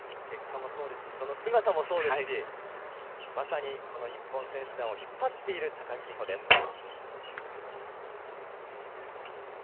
結果もそうですしその姿もそうですしまさに、日本選手団を引っ張っている高木美帆です。